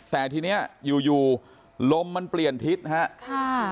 แต่ทีเนี้ยอยู่อยู่ลมมันเปลี่ยนทิศฮะค่ะ